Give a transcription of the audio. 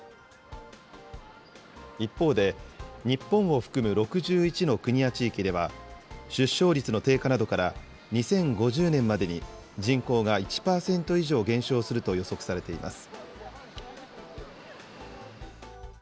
一方で、日本を含む６１の国や地域では、出生率の低下などから２０５０年までに人口が１％以上減少すると予測されています。